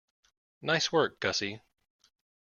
Nice work, Gussie.